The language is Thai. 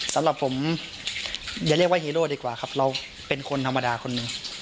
สำหรับผมอย่าเรียกว่าฮีโร่ดีกว่าครับเราเป็นคนธรรมดาคนหนึ่ง